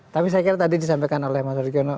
tapi saya kira tadi disampaikan oleh mas rikono